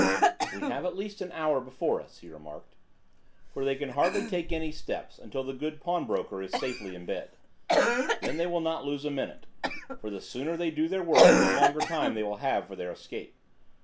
"We have at least an hour before us," he remarked, "for they can hardly take any steps until the good pawnbroker is safely in bed. Then they will not lose a minute, for the sooner they do their work the longer time they will have for their escape.